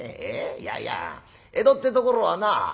いやいや江戸ってところはな